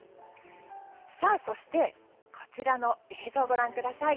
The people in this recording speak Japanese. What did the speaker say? そして、こちらの映像をご覧ください。